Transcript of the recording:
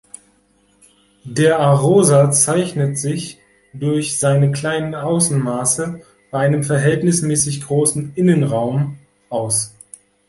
Der Arosa zeichnet sich durch seine kleinen Außenmaße bei einem verhältnismäßig großen Innenraum aus.